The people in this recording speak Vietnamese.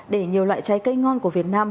để nhiều loại trái cây ngon của việt nam